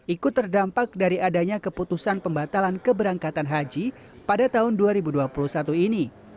ikut terdampak dari adanya keputusan pembatalan keberangkatan haji pada tahun dua ribu dua puluh satu ini